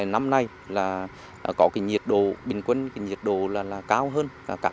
năm nay có nhiệt độ bình quân nhiệt độ cao hơn các năm khác